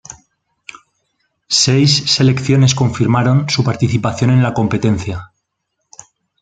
Seis selecciones confirmaron su participación en la competencia.